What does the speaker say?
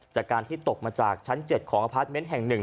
จากการที่ตกมาจากชั้น๗ของอพาร์ทเมนต์แห่ง๑